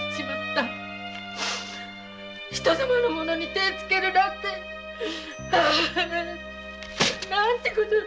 他人のものに手をつけるなんてなんて事を。